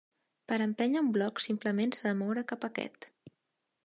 Per empènyer un bloc, simplement s'ha de moure cap aquest.